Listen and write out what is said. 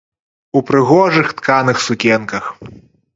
У прыгожых тканых сукенках.